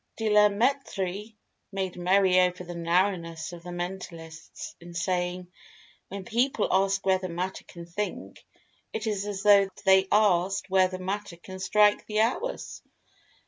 De la Mettrie made merry over the narrowness of the mentalists, in saying: 'When people ask whether matter can think, it is as though they asked whether matter can strike the hours!'